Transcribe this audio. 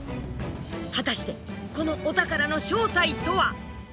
果たしてこのお宝の正体とは？